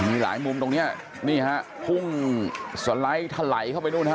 ทางทางภูมิมุมตรงเนี้ยนี่ฮะหุ้งสลายถล่ายเข้าไปเนื่อนฮะ